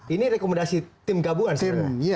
ini rekomendasi tim gabuan sebenarnya